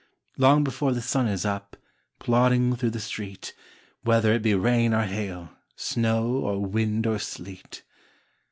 Long before the sun is up, Plodding through the street, Whether it be rain or hail, Snow or wind or sleet.